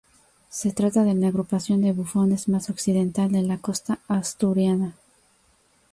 Se trata de la agrupación de bufones más occidental de la costa asturiana.